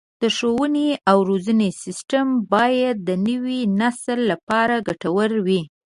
د ښوونې او روزنې سیستم باید د نوي نسل لپاره ګټور وي.